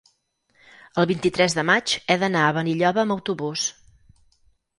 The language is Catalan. El vint-i-tres de maig he d'anar a Benilloba amb autobús.